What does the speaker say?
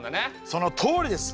そのとおりです！